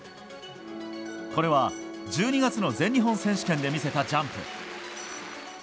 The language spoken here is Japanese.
これは、１２月の全日本選手権で見せたジャンプ。